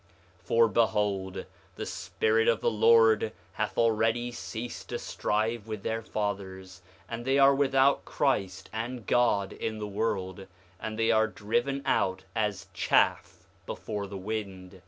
5:16 For behold, the Spirit of the Lord hath already ceased to strive with their fathers; and they are without Christ and God in the world; and they are driven about as chaff before the wind.